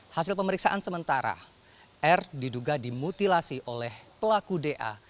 hasil pemeriksaan sementara r diduga dimutilasi oleh pelaku da